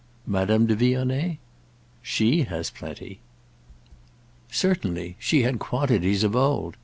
"Madame de Vionnet?" "She has plenty." "Certainly—she had quantities of old.